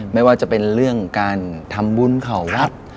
ไม่ว่าจะเป็นเรื่องการทำบุญเขาวัด